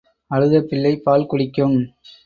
அழுத பிள்ளை பால் குடிக்கும்.